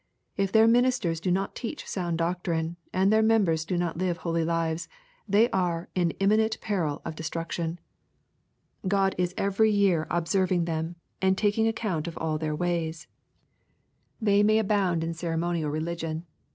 If their ministers do not teach sound doctrine, and their members do not live holy lives, they are in im minent peril of destruction. God is every year observing LUKE, CHAP. XIII. 115 them^ and taking account of all their ways. They may abouml in ceremonial religion.